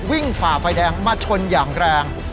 ฝ่าไฟแดงมาชนอย่างแรง